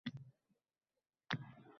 Biroq ular nega bunday deyishyapti